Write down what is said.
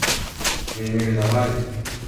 মিমি- র জামাই?